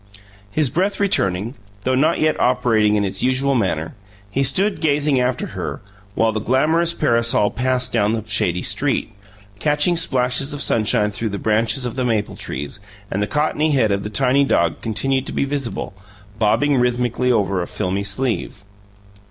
His breath returning, though not yet operating in its usual manner, he stood gazing after her, while the glamorous parasol passed down the shady street, catching splashes of sunshine through the branches of the maple trees; and the cottony head of the tiny dog continued to be visible, bobbing rhythmically over a filmy sleeve.